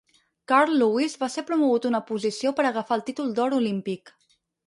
Carl Lewis va ser promogut una posició per agafar el títol d"or olímpic.